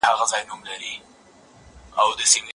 بد انسان تل بې احترامي کوي